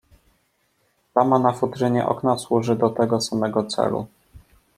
"Plama na futrynie okna służy do tego samego celu."